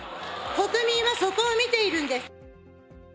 国民はそこを見ているんです。